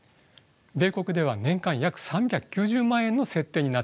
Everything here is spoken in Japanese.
米国では年間約３９０万円の設定になっています。